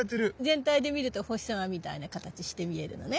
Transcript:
全体で見るとお星様みたいな形して見えるのね。